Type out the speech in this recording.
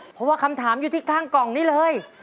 เพราะว่าคำถามอยู่ที่ข้างกล่องนี้เลย